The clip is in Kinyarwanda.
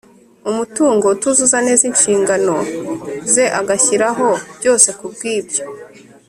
umutungo utuzuza neza inshingano ze agashyiraho byose ku bwibyo